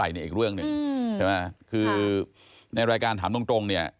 นี่อีกเรื่องหนึ่งใช่ไหมคือในรายการถามตรงเนี่ย